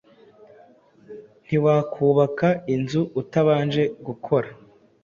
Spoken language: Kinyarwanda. Ntiwakubaka inzu utabanje gukora